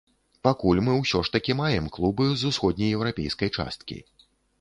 Пакуль мы ўсё ж такі маем клубы з усходнееўрапейскай часткі.